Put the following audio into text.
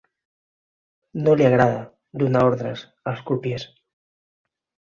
No li agrada donar ordres als crupiers.